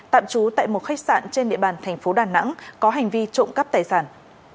tạm trú tại một khách sạn trên địa bàn thành phố đà nẵng có hành vi trộm cắp tài sản